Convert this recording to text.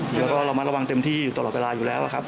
เดี๋ยวก็เรามาระวังเต็มที่ตลอดเวลาอยู่แล้วครับ